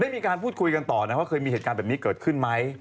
มีการพูดคุยกันต่อนะว่าเคยมีเหตุการณ์แบบนี้เกิดขึ้นไหม